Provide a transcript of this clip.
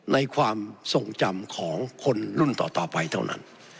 ในความทรงจำของคนรุ่นต่อไปเท่านั้น